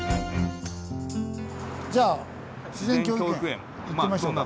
じゃあ自然教育園行ってみましょうか。